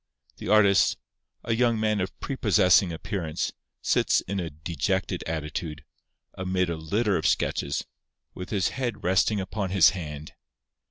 _ The artist, a young man of prepossessing appearance, sits in a dejected attitude, amid a litter of sketches, with his head resting upon his hand.